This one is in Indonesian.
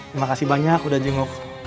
terima kasih banyak udah jenguk